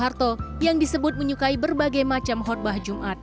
dan presiden kedua ri soeharto yang disebut menyukai berbagai macam kotbah jumat